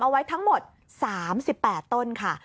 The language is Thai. เอาไว้ทั้งหมด๓๘ต้นค่ะ